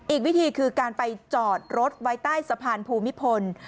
อีกวิธีคือการไปจอดรถไว้ใต้สะพานภูมิพล